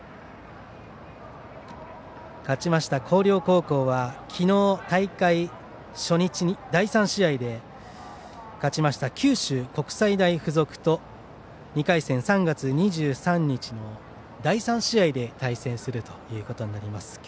勝ちました広陵高校は昨日、大会初日の第３試合で勝ちました九州国際大付属と２回戦、３月２３日の第３試合で対戦することになります。